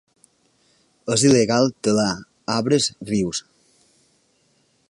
És il·legal talar arbres vius.